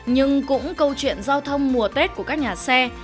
nhưng cũng câu chuyện giao thông mùa tết của các nhà xe